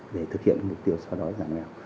để thực hiện mục tiêu xóa đói giảm nghèo